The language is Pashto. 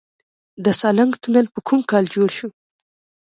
د سالنګ تونل په کوم کال جوړ شو؟